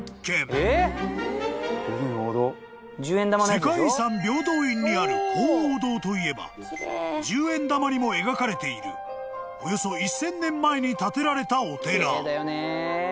［世界遺産平等院にある鳳凰堂といえば十円玉にも描かれているおよそ１，０００年前に建てられたお寺］